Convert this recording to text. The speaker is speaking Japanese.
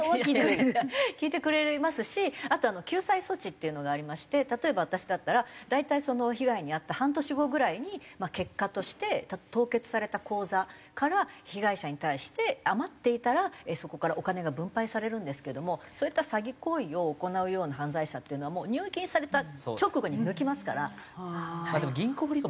聞いてくれますしあとは救済措置っていうのがありまして例えば私だったら大体被害に遭った半年後ぐらいに結果として凍結された口座から被害者に対して余っていたらそこからお金が分配されるんですけどもそういった詐欺行為を行うような犯罪者っていうのはもう入金された直後に抜きますから。